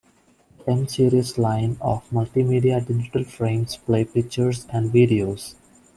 The M-series line of "multimedia" digital frames play pictures and videos.